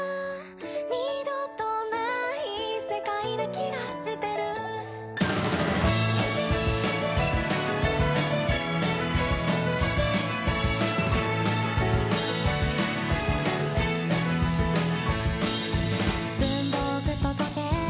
「二度とない世界な気がしてる」「文房具と時計